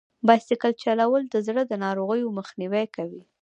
بایسکل چلول د زړه د ناروغیو مخنیوی کوي.